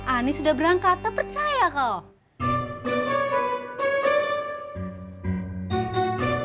ani sudah berangkat tak percaya kok